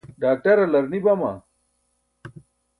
ḍaakṭarlar ni baa?